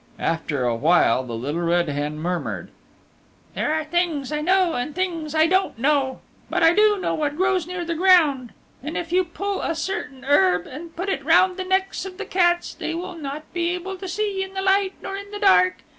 After a while the Little Red Hen murmured, "There are things I know, and things I don't know, but I do know what grows near the ground, and if you pull a certain herb, and put it round the necks of the cats they will not be able to see in the light nor in the dark.